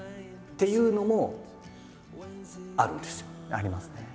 ありますね。